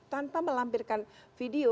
tanpa melampirkan video